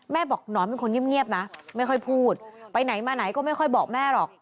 บอกหนอนเป็นคนเงียบนะไม่ค่อยพูดไปไหนมาไหนก็ไม่ค่อยบอกแม่หรอก